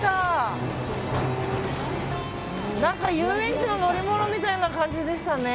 何か遊園地の乗り物みたいな感じでしたね。